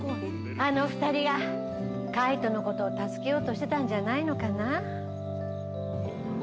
あの２人が介人のことを助けようとしてたんじゃないのかな？